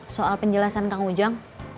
soal penjelasan kang ujang